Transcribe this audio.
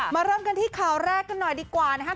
เริ่มกันที่ข่าวแรกกันหน่อยดีกว่านะคะ